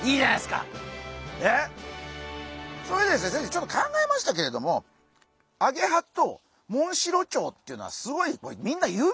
ちょっと考えましたけれどもアゲハとモンシロチョウっていうのはすごいみんな有名なんですよ。